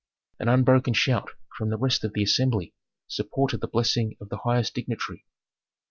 An unbroken shout from the rest of the assembly supported the blessing of the highest dignitary.